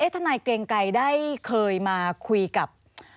ทนายเกรงไกรได้เคยมาคุยกับ